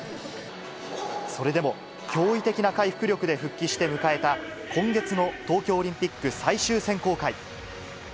それでも、驚異的な回復力で復帰して迎えた今月の東京オリンピック最終選考会。